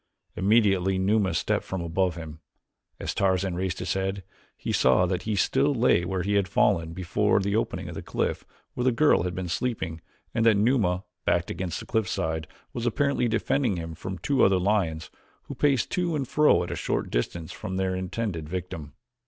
Immediately Numa stepped from above him. As Tarzan raised his head, he saw that he still lay where he had fallen before the opening of the cliff where the girl had been sleeping and that Numa, backed against the cliffside, was apparently defending him from two other lions who paced to and fro a short distance from their intended victim.